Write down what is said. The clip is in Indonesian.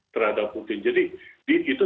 terhadap putin jadi itu